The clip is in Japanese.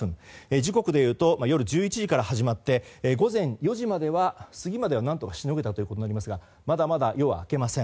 時刻でいうと夜１１時から始まって午前４時過ぎまでは何とかしのげたんですがまだまだ夜は明けません。